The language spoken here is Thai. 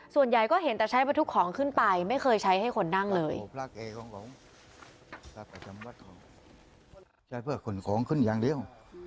ส่วนใหญ่ก็เห็นแต่ใช้บรรทุกของขึ้นไปไม่เคยใช้ให้คนนั่งเลย